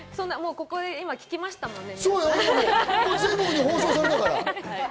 ここで今聞きましたもんね？